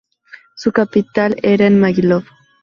Su capital era en Maguilov.